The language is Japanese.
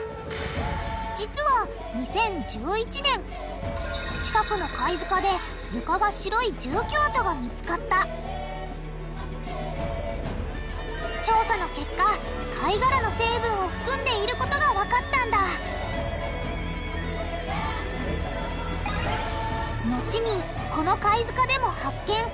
実は２０１１年近くの貝塚で床が白い住居跡が見つかった調査の結果貝がらの成分を含んでいることがわかったんだ後にこの貝塚でも発見。